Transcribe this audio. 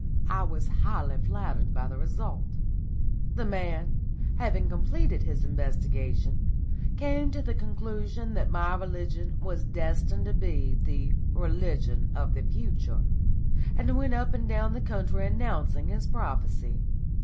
I was highly flattered by the result. The man, having completed his investigation, came to the conclusion that my religion was destined to be the religion of the future, and went up and down the country announcing his prophecy.